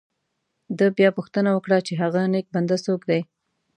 ده بیا پوښتنه وکړه چې هغه نیک بنده څوک دی.